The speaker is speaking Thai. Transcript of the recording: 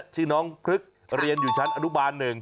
ชื่อน้องพลึกเรียนอยู่ชั้นอนุบาล๑